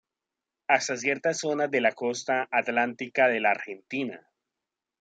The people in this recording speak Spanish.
Hasta ciertas zonas de la costa atlántica de la Argentina.